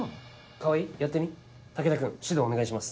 川合やってみ武田君指導お願いします。